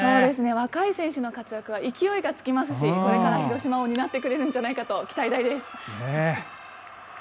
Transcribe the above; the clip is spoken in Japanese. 若い選手の活躍は、勢いがつきますしこれから広島を担ってくれるんじゃないかと、期待大です。